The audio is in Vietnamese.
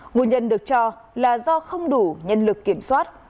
nguồn nhân được cho là do không đủ nhân lực kiểm soát